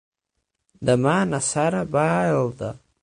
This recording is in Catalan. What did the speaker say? Demà na Sara va a Elda.